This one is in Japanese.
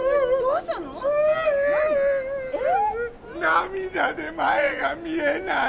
涙で前が見えない！